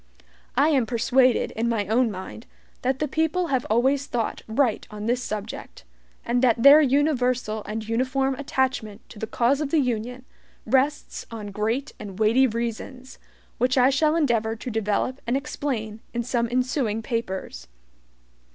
I am persuaded in my own mind that the people have always thought right on this subject, and that their universal and uniform attachment to the cause of the Union rests on great and weighty reasons, which I shall endeavor to develop and explain in some ensuing papers.